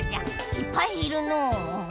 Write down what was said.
いっぱいいるのう。